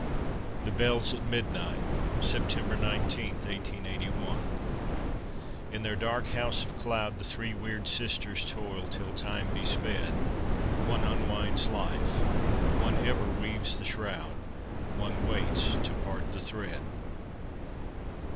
THE BELLS AT MIDNIGHT [September 19, 1881] In their dark House of Cloud The three weird sisters toil till time be sped; One unwinds life, one ever weaves the shroud, One waits to part the thread.